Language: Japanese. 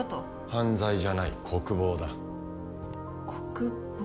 犯罪じゃない国防だ国防？